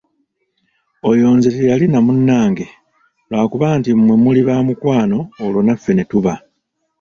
Oyo nze teyali na munnange, lwakuba nti mmwe muli baamukwano olwo naffe ne tuba!